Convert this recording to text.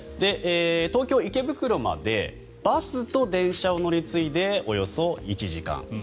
東京・池袋までバスと電車を乗り継いでおよそ１時間。